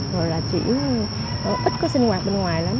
rồi là chỉ ít có sinh hoạt bên ngoài lắm